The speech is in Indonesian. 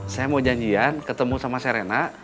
saya mau janjian ketemu sama serena